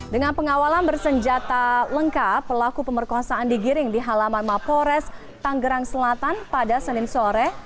dengan pengawalan bersenjata lengkap pelaku pemerkosaan digiring di halaman mapores tanggerang selatan pada senin sore